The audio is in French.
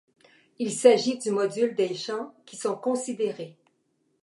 Il s'agit du module des champs qui sont considérés.